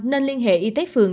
nên liên hệ y tế phường